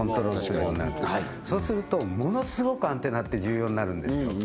確かにはいそうするとものすごくアンテナって重要になるんですよ